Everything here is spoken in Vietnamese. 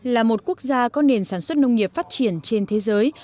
là một quốc gia có nền sản xuất nông nghiệp phát triển trên thế giới